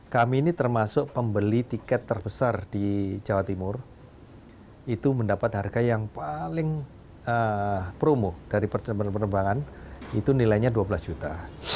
kami ini termasuk pembeli tiket terbesar di jawa timur itu mendapat harga yang paling promo dari penerbangan itu nilainya dua belas juta